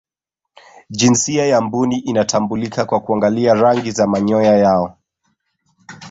jinsia ya mbuni inatambulika kwa kuangalia rangi za manyoya yao